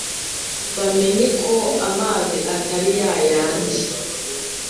bamenye ko amazi atakiri ya yandi